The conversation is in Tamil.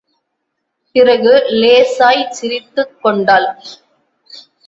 பிறகு லேசாய்ச் சிரித்துக் கொண்டாள்.